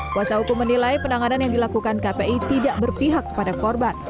kuasa hukum menilai penanganan yang dilakukan kpi tidak berpihak kepada korban